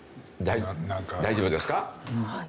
大丈夫ですか？